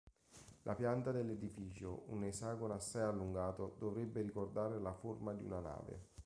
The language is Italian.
La pianta dell'edificio, un esagono assai allungato, dovrebbe ricordare la forma di una nave.